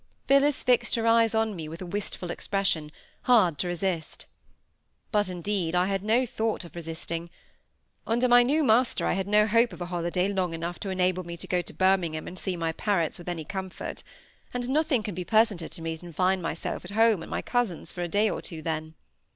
Phillis fixed her eyes on me with a wistful expression, hard to resist. But, indeed, I had no thought of resisting. Under my new master I had no hope of a holiday long enough to enable me to go to Birmingham and see my parents with any comfort; and nothing could be pleasanter to me than to find myself at home at my cousins' for a day or two, then.